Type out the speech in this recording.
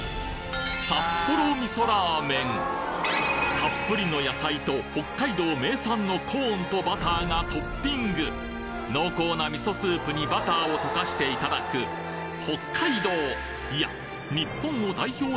たっぷりの野菜と北海道名産のコーンとバターがトッピング濃厚な味噌スープにバターを溶かしていただく北海道いや